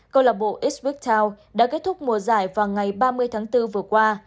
cơ lọc bộ eastwick town đã kết thúc mùa giải vào ngày ba mươi tháng bốn vừa qua